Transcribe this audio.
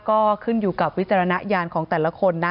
ก็ขึ้นอยู่กับวิจารณญาณของแต่ละคนนะ